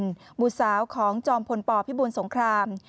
หมุทธสาวของจอมพลตพี่บูนสงคราม